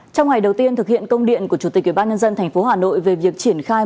trong ngày đầu tiên thực hiện công điện của chủ tịch ubnd tp hà nội về việc triển khai